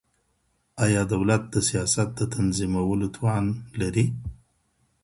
ايا دولت د سياست د تنظيمولو توان لري؟